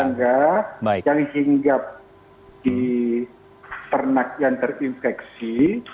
yang dihinggap di ternak yang terinfeksi